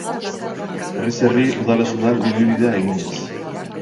Herriz herri, udalez udal ibilbidea eginez.